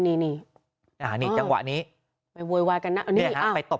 นี่นี่อ่านี่จังหวะนี้ไปววยวายกันนะนี่อ้าวไปตบ